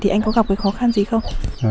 thì anh có gặp cái khó khăn gì không